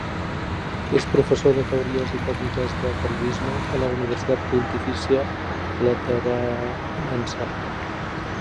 És professor de Teories i Tècniques del Periodisme a la Universitat Pontifícia Lateranense.